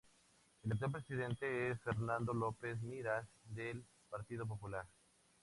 El actual presidente es Fernando López Miras, del Partido Popular.